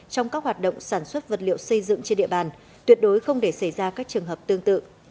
trong các hoạt động sản xuất vật liệu xây dựng trên địa bàn tuyệt đối không để xảy ra các trường hợp tương tự